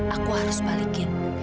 aku harus balikin